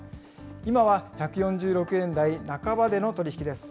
今は１４６円台半ばでの取り引き